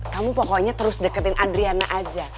kamu pokoknya terus deketin adriana aja